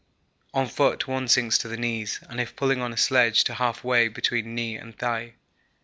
On foot one sinks to the knees, and if pulling on a sledge to half way between knee and thigh.